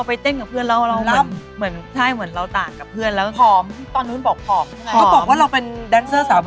อะไรที่ทำให้ลามนันใจแบบว่าพอพี่เขาชวนเราก็แบบ